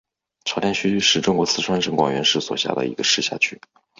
朝天区是中国四川省广元市所辖的一个市辖区。